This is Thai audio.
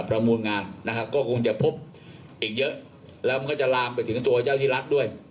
ประมูลงานนะครับก็คงจะพบอีกเยอะแล้วมันก็จะลามไปถึงตัวเจ้าที่รัฐด้วย